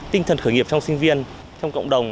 tinh thần khởi nghiệp trong sinh viên trong cộng đồng